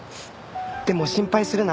でも心配するな。